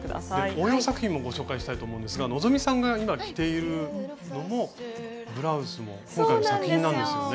応用作品もご紹介したいと思うんですが希さんが今着ているのもブラウスも今回の作品なんですよね。